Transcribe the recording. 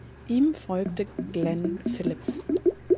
Ihm folgte Glenn Phillips.